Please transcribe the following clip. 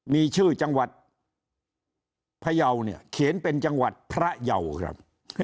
มีชื่อจังหวัดพยาวเนี่ยเขียนเป็นจังหวัดพระเยาครับ